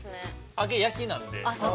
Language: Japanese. ◆揚げ焼きなので。